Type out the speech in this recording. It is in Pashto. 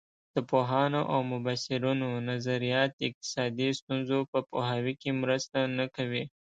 د پوهانو او مبصرینو نظریات اقتصادي ستونزو په پوهاوي کې مرسته نه کوي.